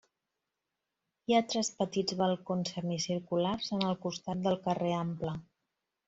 Hi ha tres petits balcons semicirculars en el costat del carrer Ample.